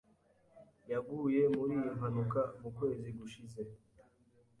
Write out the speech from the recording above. yaguye muri iyi mpanuka mu kwezi gushize